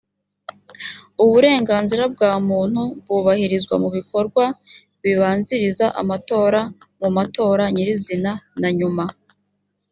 uburenganzira bwa muntu bwubahirizwa mu bikorwa bibanziriza amatora mu matora nyirizina na nyuma